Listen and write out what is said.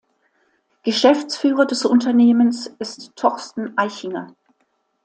Geschäftsführer des Unternehmens ist Torsten Eichinger.